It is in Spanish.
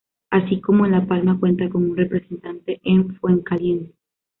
Así como en La Palma cuenta con un representante en Fuencaliente.